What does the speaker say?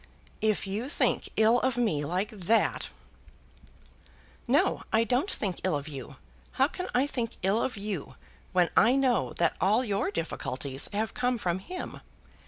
"If you think ill of me like that " "No; I don't think ill of you. How can I think ill of you when I know that all your difficulties have come from him?